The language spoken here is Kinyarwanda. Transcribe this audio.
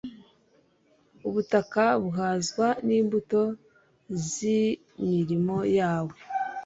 Ubutaka buhazwa nimbuto zimirimo yawe